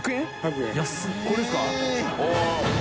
安いこれですか？